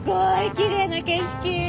きれいな景色！